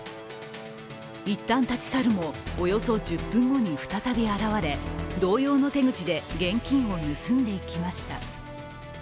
いったん立ち去るもおよそ１０分後に再び現れ、同様の手口で現金を盗んでいきました。